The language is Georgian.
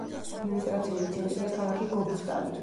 ადმინისტრაციული ცენტრია ქალაქი გობუსტანი.